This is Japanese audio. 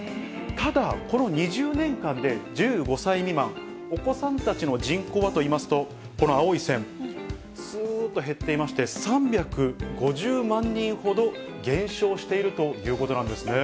ただ、この２０年間で１５歳未満、お子さんたちの人口はといいますと、この青い線、すーっと減っていまして、３５０万人ほど減少しているということなんですね。